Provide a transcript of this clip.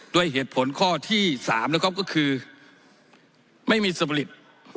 ด้วยเหตุผลข้อที่๓นะครับก็คือไม่มีสบริต